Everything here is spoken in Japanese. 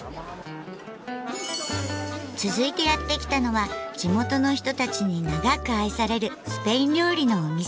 続いてやって来たのは地元の人たちに長く愛されるスペイン料理のお店。